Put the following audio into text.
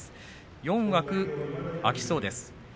４枠空きそうです。